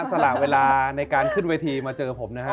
สละเวลาในการขึ้นเวทีมาเจอผมนะฮะ